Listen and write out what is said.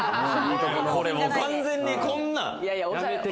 完全にこんなん。